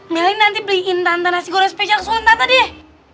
meli nanti beliin tante nasi goreng spesial kesuruhan tante deh